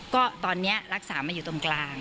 ก็ตอนนี้รักษามาอยู่ตรงกลาง